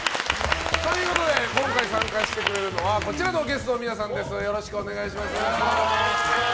今回参加してくれるのはこちらのゲストの皆さんです。